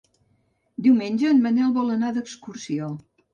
Diumenge en Manel vol anar d'excursió.